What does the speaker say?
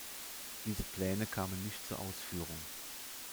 Diese Pläne kamen nicht zur Ausführung.